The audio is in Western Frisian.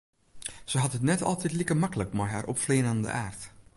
Se hat it net altyd like maklik mei har opfleanende aard.